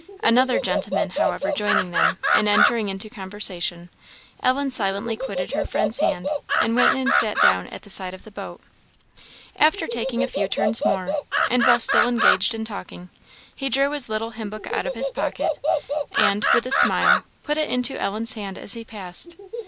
Another gentleman, however, joining them, and entering into conversation, Ellen silently quitted her friend's hand, and went and sat down at the side of the boat. After taking a few turns more, and while still engaged in talking, he drew his little hymn book out of his pocket, and, with a smile, put it into Ellen's hand as he passed.